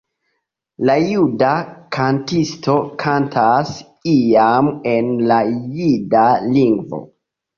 La juda kantisto kantas iam en la jida lingvo.